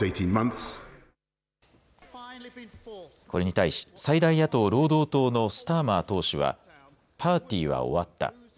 これに対し、最大野党、労働党のスターマー党首はパーティーは終わった。